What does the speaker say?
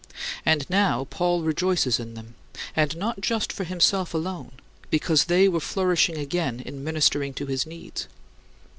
And now Paul rejoices in them and not just for himself alone because they were flourishing again in ministering to his needs.